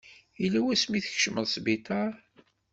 Yella wasmi i tkecmeḍ sbiṭar?